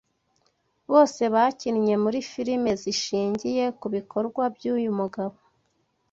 bose bakinnye muri firime zishingiye kubikorwa byuyu mugabo